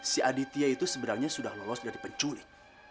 si aditya itu sebenarnya sudah lolos dari penculik